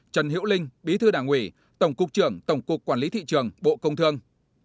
trần hiễu linh bí thư đảng ủy tổng cục trưởng tổng cục quản lý thị trường bộ công thương